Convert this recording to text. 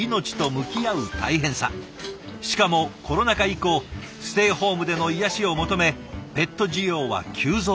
しかもコロナ禍以降ステイホームでの癒やしを求めペット需要は急増。